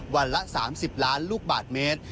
วันละ๓๐ล้านลูกบาทเมตร